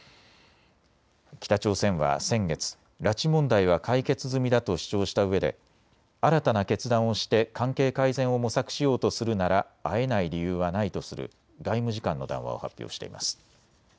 北朝鮮は先月、拉致問題は解決済みだと主張したうえで新たな決断をして関係改善を模索しようとするなら会えない理由はないとする外務次官の談話を発表しています。